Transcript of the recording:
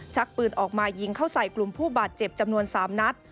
ชักปืนออกมายิงเข้าใส่กลุ่มผู้บาดเจ็บจำนวน๓นัด